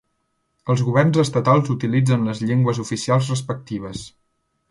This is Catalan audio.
Els governs estatals utilitzen les llengües oficials respectives.